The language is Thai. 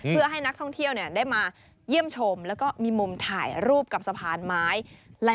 เพื่อให้นักท่องเที่ยวได้มาเยี่ยมชมแล้วก็มีมุมถ่ายรูปกับสะพานไม้